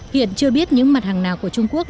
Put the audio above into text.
hiện chưa biết những mặt hàng nào của trung quốc